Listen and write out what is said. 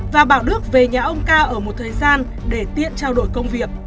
và bảo đức về nhà ông ca ở một thời gian để tiện trao đổi công việc